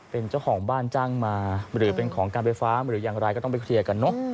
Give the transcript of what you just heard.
เป็นเจ้าของบ้านจ้างมาหรือเป็นของการไฟฟ้าหรืออย่างไรก็ต้องไปเคลียร์กันเนอะ